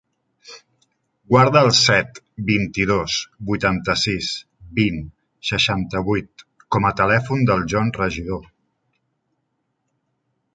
Guarda el set, vint-i-dos, vuitanta-sis, vint, seixanta-vuit com a telèfon del John Regidor.